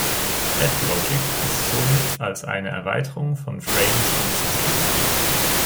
F-Logic ist somit als eine Erweiterung von Frames anzusehen.